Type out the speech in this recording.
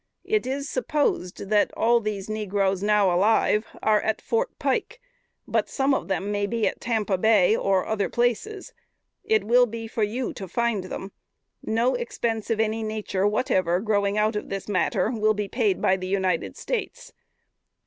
It is supposed that all these negroes now alive are at Fort Pike; but some of them may be at Tampa Bay, or other places: it will be for you to find them. No expense of any nature whatever, growing out of this matter, will be paid by the United States.